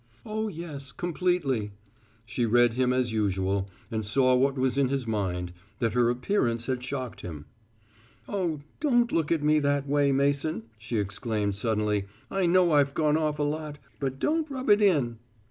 "Oh, yes, completely." She read him as usual, and saw what was in his mind, that her appearance had shocked him. "Oh, don't look at me that way, Mason," she exclaimed suddenly; "I know I've gone off a lot, but don't rub it in."